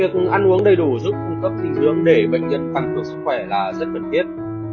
việc ăn uống đầy đủ giúp cung cấp thịnh dương để bệnh viện phản ứng sức khỏe là rất cần thiết